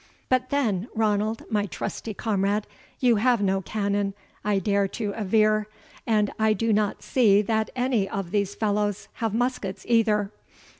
But then, Ranald, my trusty comrade, you have no cannon, I dare to aver, and I do not see that any of these fellows have muskets either.